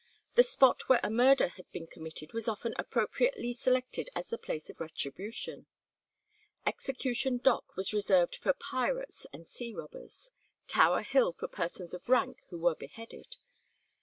The spot where a murder had been committed was often appropriately selected as the place of retribution. Execution Dock was reserved for pirates and sea robbers, Tower Hill for persons of rank who were beheaded.